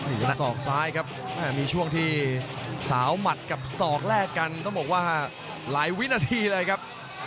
มีศอกซ้ายครับมีช่วงที่สาวหมัดกับศอกแลกกันต้องบอกว่าหลายวินาทีเลยครับ